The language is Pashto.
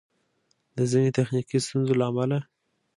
د ځیني تخنیکي ستونزو له امله